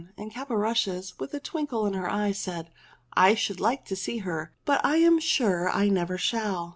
And Caporushes with a twinkle in her eyes said, " I should like to see her ; but I'm sure I never shall